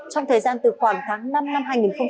trong thời gian từ khoảng tháng năm năm hai nghìn hai mươi